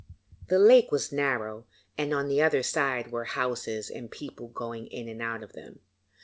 The lake was narrow, and on the other side were houses and people going in and out of them.